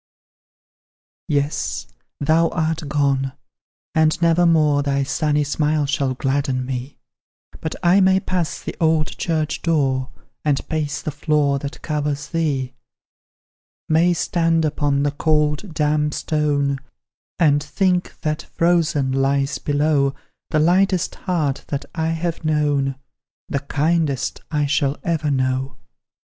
Yes, thou art gone! and never more Thy sunny smile shall gladden me; But I may pass the old church door, And pace the floor that covers thee, May stand upon the cold, damp stone, And think that, frozen, lies below The lightest heart that I have known, The kindest I shall ever know.